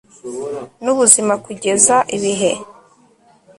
n ubuzima kugeza ibihe